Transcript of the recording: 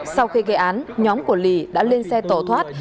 sau khi gây án nhóm của lì đã lên xe tẩu thoát